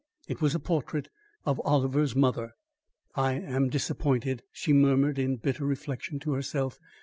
It was a portrait of Oliver's mother. "I am disappointed," she murmured in bitter reflection to herself.